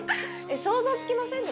「想像つきません？